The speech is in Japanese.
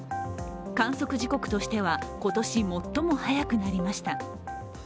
観測時刻としては今年、最も早くなりました。